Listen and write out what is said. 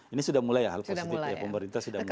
ini sudah mulai hal positif pemerintah sudah mulai